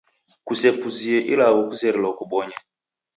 Kusepuzie ilagho kuzerelo kubonye.